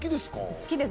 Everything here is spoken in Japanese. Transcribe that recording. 好きです。